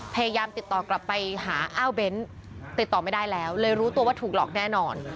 พยายามติดต่อกลับไปหาอ้าวเบ้นติดต่อไม่ได้แล้วเลยรู้ตัวว่าถูกหลอกแน่นอน